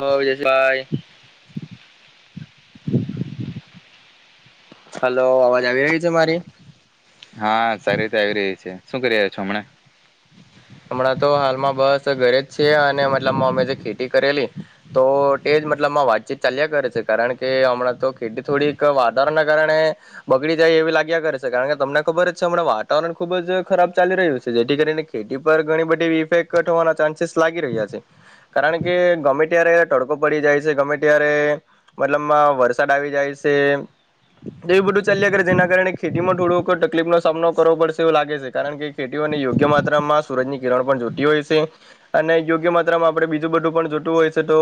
બ વિજયશ ભાઈ [inaudible] હલો અવાજ આવી રહી છે મારી હા સારી રીતે આવી રહી છે શું કરી રહ્યા છો હમણાં હમણાં તો હાલમાં બસ ઘરે જ છીએ અને મતલબમાં અમે જે ખેતી કરેલી તો તે જ મતલબમાં વાતચીત ચાલ્યા કરે છે કારણ કે હમણાં તો ખેતી થોડીક વાતાવરણના કારણે બગડી જાય એવી લાગ્યા કરે છે કારણ કે તમને ખબર જ છે હમણાં વાતાવરણ ખુબ જ ખરાબ ચાલી રહ્યું છે જેથી કરીને ખેતી ઘણી બધી ઇફેક્ટ હોવાના ચાન્સીસ લાગી રહ્યા છે કારણ કે ગમે ત્યારે તડકો પડી જાય છે ગમે ત્યારે મતલબમાં વરસાદ આવી જાય છે તો એવ બધું ચાલ્યા કરે જેના કારણે ખેતીમાં થોડો તકલીફ નો સામનો કરવો પડશે એવો લાગે છે કારણ કે ખેતીઓને યોગ્ય માત્રામાં સૂરજ ની કિરણ પણ જોતી હોય છે અને યોગ્ય માત્રામાં આપણે બીજું બધું પણ જોતું હોય છે તો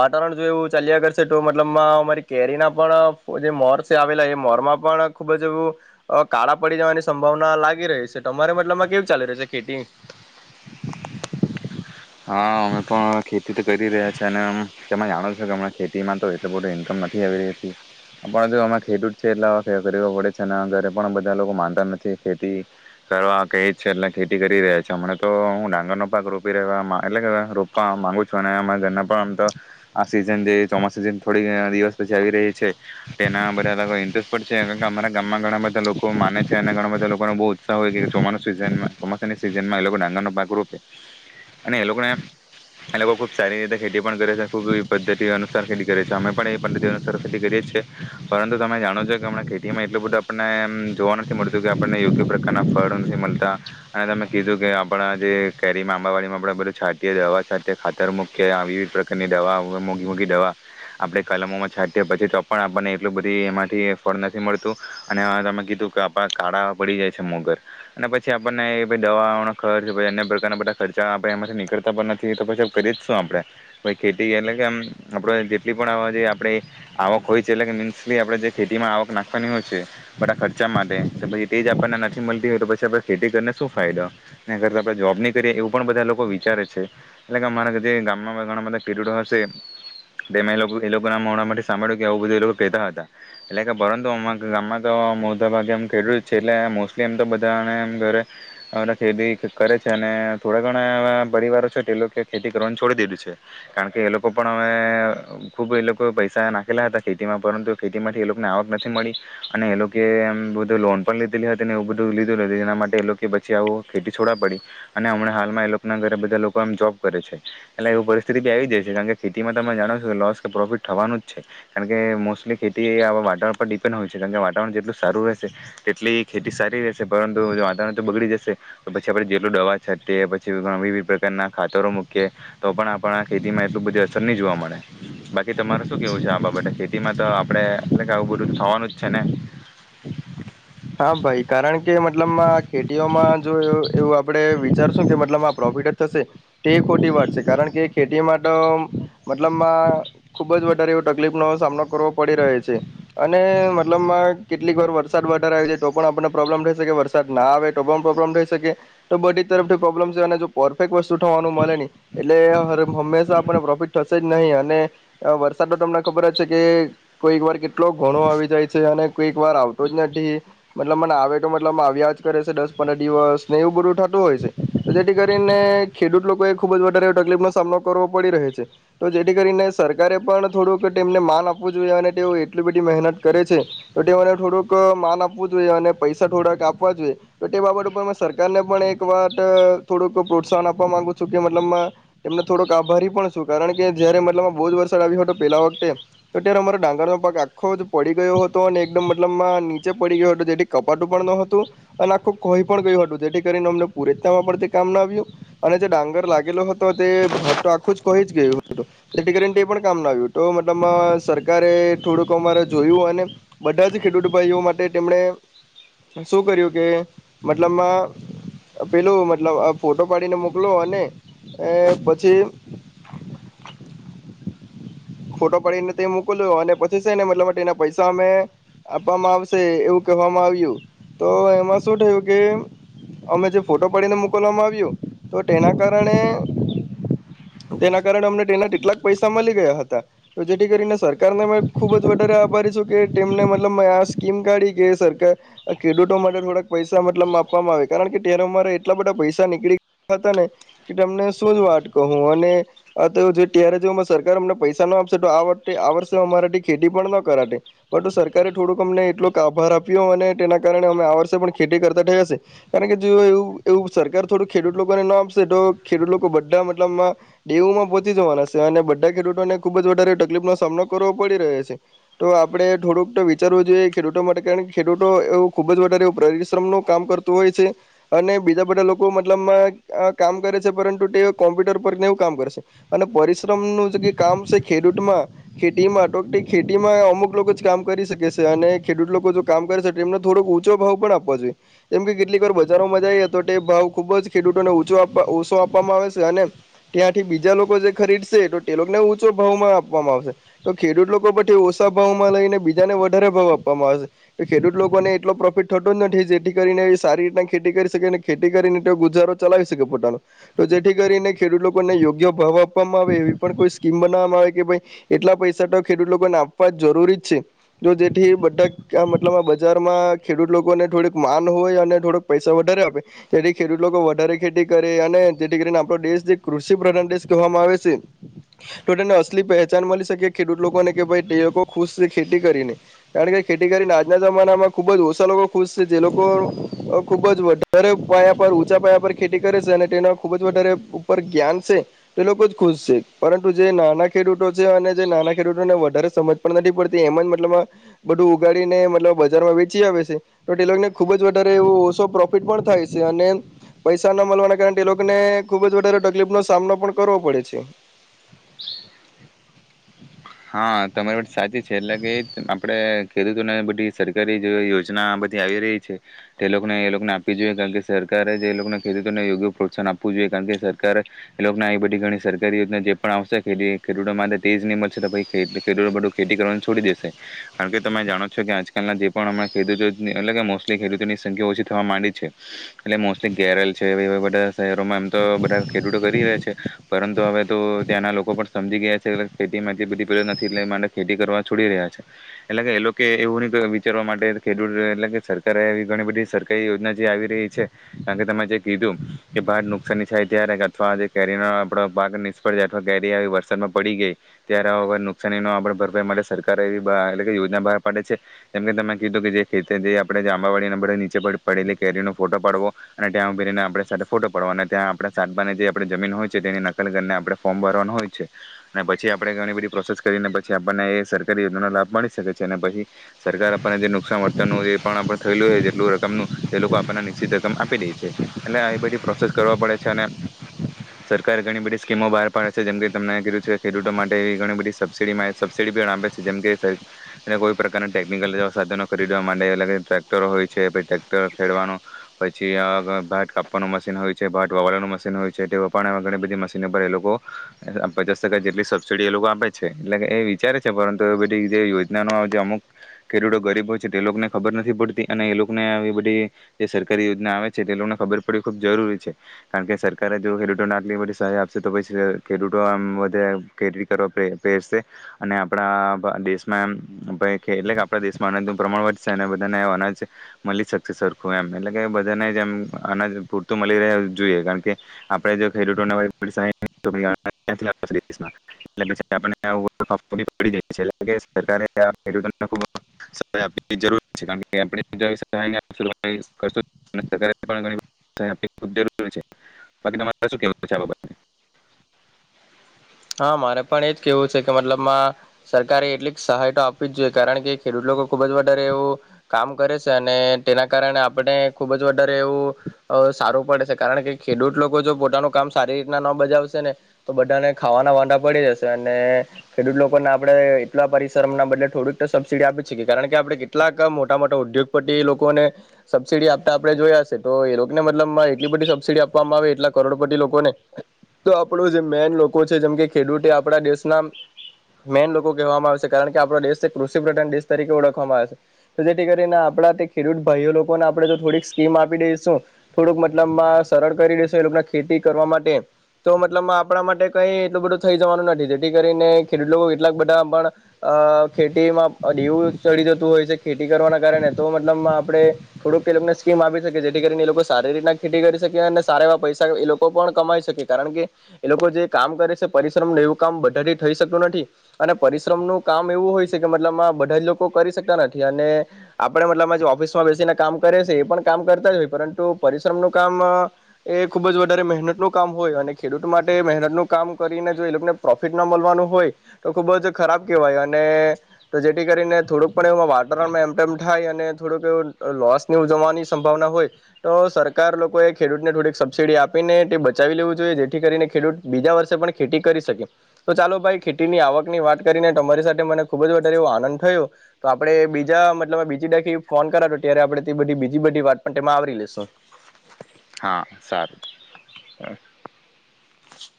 વાતાવરણ જો એવું ચાલ્યા કરશે તો મતલબમાં અમારી કેરીના પણ જે મોર છે આવેલા એ મોરમાં પણ ખૂબ જ એવું કાળા પડી જવાની સંભાવના લાગી રહી છે તમારે મતલબમાં કેવીું ચાલીુ રહે છે ખેતી હા અમે પણ ખેતી કરી રહ્યા છે અને એમ તેમે જાણો છો કે હમણાં ખેતીમાં તો એટલો મોટું ઇન્કમ નથી આવી રહીતી પણ જો અમાં ખેડૂત છે એટલે આવા કરો પડે છે અને ઘરે પણ બધા લોકો માનતા નથી ખેતી કરવા કહી જ છે એટલે ખેતી કરી રહ્યા છે હમણાં તો હું ડાંગરનો પાક રોપી રહવા એટલે રોપવા માંગુ છું અને ઘ પણ આમ તો આ સીઝન જે ચોમાસાું સઝન થોડી દિવસ પછી આવી રહી છે તેના બધા ઇન્ટરેસ્ટ છેણ અમારા ગામમાં ઘણા બધા લોકો માને છે અને ઘણા બધા લોકોને બહુ ઉત્સાહ હોય છે ચોમાસું સીઝન ચોમાસાની સિઝનમાં એ લોકો ડાંગર ન પાક રોપે અને એ લોકોને એ લોકો ખૂબ સારી રીતે ખેતી પણ કરે છે ખૂબ પદ્ધતિ અનુસાર ખેતી કરે છે અમે પણ એ પદ્ધતિ અનુસાર ખેતી કરીએ જીએ પરંતુ તમે જાણો છો કે હમં ખેતીમાં એટલું બધું આપણને જોવા નથી મળતું કે આપણને યોગ્ય પ્રકારના ફળ નથી મળતા અને તમે કીધું કે આપણા જે કેરીમાં આંબાવાડીમાં આપ બધું છાંટીએ દવા છાંતી ખાતર મૂકી વિવિધ પ્રકારની દવા મોઘી મોઘી દવા આપડે કલમોમાં છાતીએ પછી તો પણ આપણને એટલું બધી એમાંથી ફળ નથી મળતું અને તમે કીધું કે આપ કાળા પડી જાય છે મોગર અને પછી આપણને દવાનો ખર્ચ અન્ય પ્રકારના બધા ખર્ચા એમાંથી નીકળ નથી તો પછી કરીએ જ શું આપણેે પ ખેતી એટલે કે આપડ જેટલી પણ જે આપ આવક હોય છે એટલે મીન્સલી આપણે જે ખેતીમાં આવક નાખવાની હોય છે બટ આ ખર્ચા માટે પછી એ જ આપણને નથી મળતી હોય તો પછી આપણે ખેતી કરીને શું ફાયદો એ આપણે જોબ નહી કરીએ એવું પણ બધા લોકો વિચારે છે એટલે કે અમારા જે ગામમાં ઘણા બધા ખેડૂતો હશે તે લો મેલોકો એ લોકો ના મળ માટે સાંભળ્યું કે આવું બધું એ લોકો કેહેતા હતા એટલે કે પરંતુ ગામમાં તો મોટા ભાગેમ ખેડૂત છે એટલે મોસ્ટલી એમ તો બધા ઘ ખેતી કરે છે અને થોડા ઘ પરિવારો છે એ લોકો ખેતી કરવાનું છોડી દીધું છે કારણ કે એ લોકો પણ ખુબ એ લોકો પૈસા નાખેલા હતા ખેતીમાં પરંતુ ખેતી માંથી એ લોકો ને આવક નથી મળી અને એ લોકોમ બધ લોન પણ લીધેલી હતી ને એવું બધું લીધેલુંું જેના માટે એ લોકો પછી આવ ખેતી છોવા પડી અને હમણાં હાલમાં એ લોકોના ઘરે બધા લોકો એમ જોબ કરે છે એટલે એવી પરિસ્થિતિ બી આવી જાય છે કારણ કે ખેતીમાં તમે જાણો છો કે લોસ કે પ્રોફિટ થવાનું જ છે કારણ કે મોસ્ટલી ખેતી વાતાવરણ પર ડિપેન્ડ હોય છે કારણ કે વાતાવરણ જેટલું સારું રહેશે તેટલી ખેતી સારી રહેશે પરંતુ જો વાતાવરણ તો બગડી જશે તો પછી આપણે જેટલું દવા છે તે પછી વિવિધ પ્રકારના ખાતરો મૂકીએ તો પણ આપ ખેતીમાં એટલું બધી અસર નહી જોવા મળે બાકી તમારે શું કેવું છે આ બાબતે ખેતીમાં તો આપડણે એટ કે આવું બધું થવાનું જ છે ને હા ભાઈ કારણ કે મતલબમાં વિચારશો કે મતલબ આ પ્રોફિટ જ થશે તે ખોટી વાત છે કારણ કે ખેતી માટે મતલબમાં ખૂબ જ વધારે એવ તકલીફનો સામનો કરવો પડી રહ છે અને મતલબમાં કેટલીક વાર વરસાદ તો પણ આપણને પ્રોબ્લેમ રહેશે કે વરસાદ ના આવે તો પ્રોબ્લેમ થઈ શકે તો બ જ તરફથી પ્રોબ્મ છે અને જો પરફેક્ટ વસતુ થવાનું મળે નહી એટલે હંમેશા પ્રોફિટ થશે જ નહીં અને વરસાદ ન તમને ખબર જ છે કે કોઈક વાર કે એટલો ઘણો આવી જાય છે અને કોઈક વાર આવતો જ નથી મલબ મ આવે તો મતલબ આવ્યા જ કરે છે દસ પંદર દિવસ એવુ બધુ થતું હોય છે તો જેથી કરીને ખેડૂત લોકોએ ખુબ જ વધારે તકલીફ નો સામનો કરવો પડી રહે છે તો જેથી કરીને સરકારે પણ થોડુંક તેમને માન આપવું જોઈએ અને તેઓ એટલી બધી મહેનત કરે છે તો તે મને થોડુંક માન આપ આપું જોઈએ અને પૈસા થોડાક આપવા જોઈએ તો તે બાબત ઉપર સરકારને પણ એક વાત થોડુંક પ્રોત્સાહન આપવા માંગુ છું કે મતલબમાં તેમને થોડોક આભારી પણ છું કારણ કે જયારે મતલબમાં બહુ જ વરસાદ આવ્યો હતો પેલા વખતે તો ત્યારે અમારો ડાંગર નો પાક આખો જ પડી ગયો હતો અને એકદમ મતલબમાં નીચે [unintelligible] થી કપાટું પણ ન હતું અને આખું કોહી પણ ગયું હતું જેથી કરીને અમને પુરેતતામાં પણ તે કામ ના આવ્યું અને જે ડાંગર લાગેલો હતો તે આખું જ કહી ગયું હતું તેથી કરીને તે પણ કામ ના આવ્યું તો મતલબમાં સરકારે થોડુંક અમારે જોયું અને બધા જ ખેડૂત ભાઈઓ માટે તેમણે શું કર્યું કે મતલબમાં પેલું મતલબ આ ફોટો પાડીને મોકલો અને પછી ફોટો પાડીને તે મોકલ્યો અને પછી છે ને મતલબ તેના પૈસા અમે આપવામાં આવશે એવું કહેવામાં આવ્યું તો એમાં શું થયું કે અમે જે ફોટો પાડીને મોકલવામાં આવ્યું તો તેના કારણે તેના કારણે અમને તેના કેટલાક પૈસા મળી ગયા હતા તો જેથી કરીને સરકારને અ ખુબ જ વધારે આભારી છું કે તેમને મતલબ આ શકીમ કે સરકાર ખેડૂતો માટે થોડાક પૈસા મતલબ માપવામાં આવે કારણ કે ત્યારે અમારા એટલા બધા પૈસા નીકળી ગયા હતા ને કે તમને શું જ વાટ કહું અને ત્યારે જો સરકાર અમને પૈસા ન આપશે તોઆ વખતે આ વર્ષે અમારાથી ખેતી પણ ન કરાટે પરુ સરકારે થોડુંક અમને કેટલોક આભાર આપ્યો અને તેના કારણે અમે આ વર્ષે પણ ખેતી કરતા ગયા સે કારણ કે જો એવુ એવુ સરકાર થોડું ખેડૂત લોકોને ના આપશે તો ખેડૂત લોકો બધા મતલબમાં દેવુમાં વધી જવાના સે અને બધાએ ખેડૂતોને ખુબ જ વધારે તકલીફનો સામનો કરવો પડી રહ્યો છે તો આપણે થોડુંક તો વિચારવું જોઈએ ખેડૂતો માટે કારણ કે ખેડૂતો એવું ખુબ જ વધારે પરિશ્રમ નું કામ કરતું હોય છે અને બીજા બધા લોકો મતલબ કામ કરે છે પરંતુ તે કોમ્પ્યુટર પર ને કામ કરે છે અને પરિશ્ર પરિશ્રમ નું જે કામ સે ખેડૂતમાં ખેતીમાં ટોટલ જ ખેતીમાં અમુક લોકો જ કામ કરી શકે છે અને ખેડૂત લોકો જો કામ કરે છે તો એમને થોડોક ઊચો ભાવ પણ આપવો જોઈએ જેમ કે કેટલીક વાર બજારોમાં જાઈ એ તો તે ભાવ ખૂબ જ ખેડૂતોને ઓછો આપવામાં આવે છે અને ત્યાંથી બીજા લોકો જે ખરીદશે તો તે લોકોને ઊચો ભાવમાં આપવામાં આવશે તો ખેડૂત લોકો વચે ઓછા ભાવ માં લઈને બીજાને વધારે ભાવ આપ અમારે ખેડૂત લોકોને એટલો પ્રોફિટ થતો જ નથી જેથી કરીને સારી રીતના ખેતી કરી શકે ખેતી કરીને તો ગુજારો ચલાવી શકે પોતાનો તો જેથી કરીને ખેડૂત લોકોને યોગ્ય ભાવ આપવામાં આવે એવી પણ કોઈ સ્કીમ બનાવવામાં આવે કે ભાઈ એટલા પૈસા તો ખેડૂત લોકોને આપવા જ જરૂરી છે જો જેથી આ મતલબ બજારમાં ખેડૂત લોકોને થો ડુક ક માન હોય અને થોડુક પૈસા વધારે આપે જેથી ખેડૂત લોકો વધારે ખેતી કરે અને જેથી કરીને આપોણો દેશ જે કૃષિ પ્રધાન દેશ કહેવામાં આવે છે તો તેને અસલી પહેચાન મળી શકે ખેડૂત લોકોને કે ભાઈ તે લોકો ખુશ છે ખેતી કરીને કારણ કે ખેતી કરીને આજના જમાનામાં ખૂબ જ ઓછા લોકો ખુશ છે જે લોકો ખૂબ જ વધારે સર પાયા પર ઉંચા પાયા પર ખેતી કરે છે અને તેના ખુબ જ વધારે ઉપર જ્ઞાન છે તે લોકો જ ખુશ છે પરંતુ જે નાના ખેડૂતો છે અને જે નાના ખેડૂતોને વધારે સમજ પણ નથી પડતી એમ જ મતલબ બધું ઉગાડીને મતલબ બજારમાં વેચી આવે છે તો તે લોકોને ખુબ જ વધારે એવ ઓછો પ્રોફિટ પણ થાય છે અને પૈસા ના મળવાના કારણે તે લોકોને ખુબ જ વધારે તકલીફ નો સામનો પણ કરવો પડે છે હા તમારી વાત સાચી છે એટલે કે આપડે ખેડૂતોને બધી સરકારી જે યોજના બધી આવી રહી છે તે એ લોકોને એ લોકોને આપવી જોઈએ કારણ કે સરકારે જે એ લોકોને ખેડૂતોને યોગ્ય પ્રોત્સાહન આપવું જોઈએ કારણ કે સરક એ લોકો એ બધી ઘણી સરકારી યોજના જે પણ આવશે ખેતી ખેડૂતો માટે તેજ નિમ [unintelligible] બધું ખેતી કરવા છોડી દેશે કારણ કે તમે જાણો છો કે આજકાલના જે પણમણા ખેડૂતો એ મોસ્ટલી ખેડૂતોની સંખ્યા ઓછી થવા માંડી છે એટલે મોસ્ટલી ગેરલ છે બધા શહેરોમાં એમ તો બધા ખેડૂતો કરી રહ્યા છે પરંતુ હવે તો ત્યાંના લોકો પણ સમજી ગયા છે [unintelligible] નથી એટલે એ માટે ખેતી કરવા છોડી રહ્યા છે એટલે કે એ લોકો એવું વિચારવા માટે ખેડૂત એટલે સરકારે એ ઘણી બધી સરકારી યોજના જે આવી રહી છે કારણ કે તમે જે કીધું કે ભાર નુકસાની થાય ત્યારે અથવા જે કેરીનો આપ પાક નિષ્ફળ જાય અથવા કેરી આવી વરસાદમાં પડી ગઈ ત્યારે નુકસાનીનો આપ ભરપાઈ માટે સરકારે એવી યોજના બાર પાડે છે જેમ કે તમે કીધું કે જે ખે આપણે આંબાવાડીને નીચે પડેલી કેરીનો ફોટો પાડવો અને ત્યાં ઉભરીને આપ ફોટો પાડવા અને ત્યાં આપણે સાતભાને જે આપ જમીન હોય છે તેની નકલ કરીને આપણે ફોર્મ ભરવાનું હોય છે અને પછી આપણે ઘણી બધી પ્રોસેસ કરીને પછી આપણને એ સરકારી યોજના નનો લાભ મળી શકે છે અને પી સરકાર આપણને જે નુકસાન વર્તરનું જે પણણે થયેલું જેટલું રકમનું એ લોકો આપણને નિશ્ચિત રકમ આપી દે છે એટલે આ બધી પ્રોસેસ કરવા પડે છે અને સરકારારે ઘણી બધી સ્કીમો બહાર પાડે છે જેમકે તમ કીધું છે કે ખેડૂતો માટે વી ઘણી બધી સબસડી સબસિડી પણ આપે છે જેમ કે કોઈ પ્રકારના ટેકનિકલ સાધનો ખરીદવા માટે અલગ ટક્ટરો હોય છે પ ટક્ટર ખેડવાનું પછી ભાટ કાપવાનું મશીન હોય છે ભાટ વાવરવાનું મશીન હોય છે તે પણ ઘણી બધી મશીનો પર એ લોકો પચાસ ટકા જેટલી સબસિડી એ લોકો આપે છે એટલે એ વિચારે છે પરંતુ એ બધી જે યોજનાનો જે અમુક ખેડૂતો ગરીબ હોય છે તે લોકોને ખબર નથી પડતી અને એ લોકોને એ બધી જે સરકારી યોજના આવે છે તે લોકોને ખબર પડવી ખૂબ જરૂરી છે કારણ કે સરકારે જો ખેડૂતોને આટલી બધી સહાય આપશે તો પછી ખેડૂતો આમ વધે ખે કરવા પહેરશે અને આપણા દેશમાં એમ એટલે કે આપણા દેશમાં અનાજનું પ્રમાણ વધશે અને બધાને અનાજ મળી શકશે સરખું એમ એટલે કે બધાને જ એમ અનાજ પૂરતું મળી રહે જોઈએ કારણ કે આપણે જો [unintelligible] [unintelligible] આપ પ જઈએ એટ સરડૂ ખ સહાય આપરી છે કારણ આપરી છેકી તમારે ક [unintelligible] [unintelligible] [unintelligible] [unintelligible] [unintelligible] હા મારે પણ એજ કેવું છે કે મતલબમાં સરકારે એટલી સહાય તો આપવી જ જોઈએ કારણ કે ખેડૂત લોકો ખુબ જ વધારે એવું કામ કરે છે અને તેના કારણે આપણે ખુબ જ વધારે એવું સારું પડે છે કારણ કે ખેડૂત લોકો જો પોતાનું કામ સારી રીતના ન બજાવશે ને તો બધાને ખાવાના વાા પડી જશે અને ખેડૂત લોકોને આપડણે એટલા પરિશ્રમ ના બદલે થોડુંક સબસિડી આપી શકીએ કારણ કે આપણે કેટલાક મોટા મોટા ઉદ્યોગપતિ લોકોને સબસિડી આપતા આપણે જોયા છે તો એ લોકોને મતલબ એટલી બધી સબસિડી આપવામાં આવે એટલા કરોડપતિ લોકોને તો આપણું જે મેન જેમ ખડૂ આપણા દેશના મેન લોકો કહેવામાં આવે છે કારણ કે આપણા દેશ કૃષિ પ્રધાન દેશ તરીકે ઓળખવામાં આવે છે તો જેથી કરીને આપણા તે ખેડૂત ભાઈઓ લોકોને આપણે થોડિક સ્કીમ આપી દઈશું થોડક મતલબ સરળ કરી દઈશું એ લોકો ખેતી કરવા માટે તો મતલબ આપણા માટે કઈ એટલું બધું થઈ જવાનું નથી જેથી કરીને ખેડૂત લોકો કેટલાક બધા પણ અ ખેતીમાં ડીવું ચડી જતું હોય છે ખેતી કરવાના કારણે તો મતલબ આપણે થોડુંક એ લોકોને સ્કીમ આપી શકીએ જેથી કરીને એ લોકો સારી રીતના ખેતી કરી શકી અને સારા એવા પૈસા એ લોકો પણ કમાઈ શકે કારણ કે એ લોકો જે કામ કરે છે પરિશ્રમ ન એવું કામ બધા જ થઈ શકતું નથી અને પરિશ્રમનુંું કામ એવું હોય છે કે મતલબમાં બધા જ લોકો કરી શકતા નથી અને આપણે મતલબમાં જે ઓફિસમાં બેસીને કામ કરે છે એ પણ કામ કરતા જ હોય પરંતુ પરિશ્રમ ન કામ એ ખુબ જ વધારે મહેનત નું કામ હોય અને ખેડૂત માટે મહેનતનું ને પ્રોફિટ ના મળવાનું હોય તો ખુબ જ ખરાબ કહેવાય અને જેથી કરીને થોડુંક પણ એ વાતાવરણમાં એમટેમ થાય અને થોડુંક એવ લોસ ની ઉજવવાની સંભાવના હોય તો સરકાર લોકોએ ખેડૂતને થોડીક સબસીિડી આપીને તે બચાવી લેવું જોઈએ જેથી કરીને ખેડૂત બીજા વર્ષ પણ ખેતી કરી શકી તો ચાલો ભાઈ ખેતીની આવકની વાત કરીને તમારી સાથે મને ખુબ જારે એવો આનંદ થયો તો આપણે બીજા મતલબ બીજી વખત ફોન કરાતો ત્યારે આપણેે બીજી બધી વાત પણ તેમાં આવરી લેેશું હા સારું. હ